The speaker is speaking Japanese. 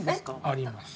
あります。